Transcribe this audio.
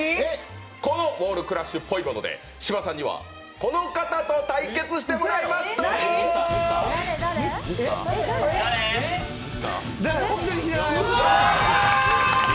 このウォールクラッシュぽいことで芝さんにはこの方と対決してもらいますどうぞ！あーっ！！！